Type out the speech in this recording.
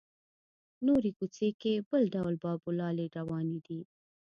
نورې کوڅې کې بل ډول بابولالې روانې دي.